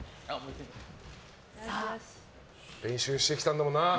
練習してきたんだもんな。